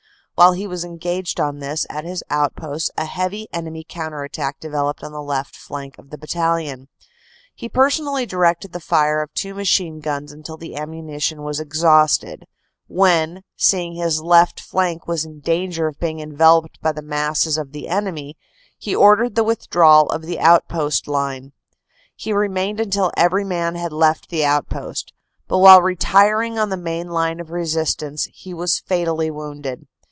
While he was engaged on this at his outposts a heavy enemy counter attack developed on the left flank of the Bat talion. He personally directed the fire of two machine guns until the ammunition was exhausted, when, seeing his left flank was in danger of being enveloped by the masses of the enemy, he ordered the withdrawal of the outpost line. He remained until every man had left the outpost, but while retiring on the main line of resistance he was fatally wounded.